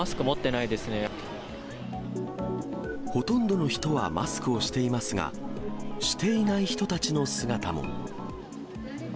ほとんどの人はマスクをしていますが、していない人たちの姿も。